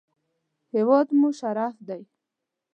هېواد مو شرف دی